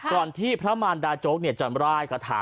ก่อนที่พระมารดาโจ๊กเนี่ยจำไรกระถา